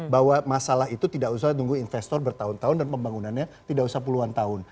bahwa masalah itu tidak usah tunggu investor bertahun tahun dan pembangunannya tidak usah puluhan tahun